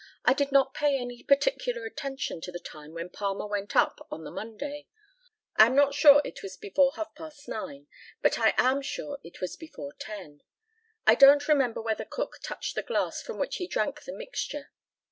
I did not pay any particular attention to the time when Palmer went up on the Monday. I am not sure it was before half past 9, but I am sure it was before 10. I don't remember whether Cook touched the glass from which he drank the mixture.